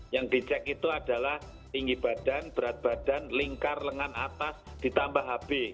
yang dicek itu adalah tinggi badan berat badan lingkar lengan atas ditambah hb